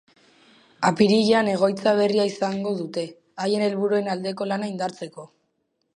Apirilean egoitza berria izango dute, haien helburuen aldeko lana indartzeko.